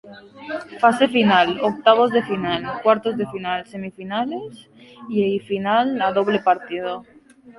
Fase final: Octavos de final, cuartos de final, semifinales y final a doble partido.